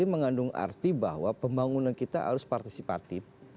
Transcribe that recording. mengandung arti bahwa pembangunan kita harus partisipatif